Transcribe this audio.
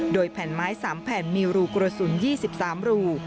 โดยแผ่นไม้สามแผ่นมีรูกรสุนยี่สิบสามรู